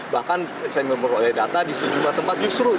bahkan saya memperoleh data di sejumlah tempat justru